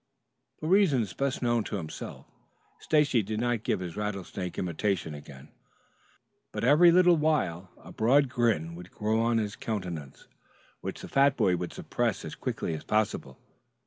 For reasons best known to himself Stacy did not give his rattlesnake imitation again. But every little while a broad grin would grow on his countenance, which the fat boy would suppress as quickly as possible.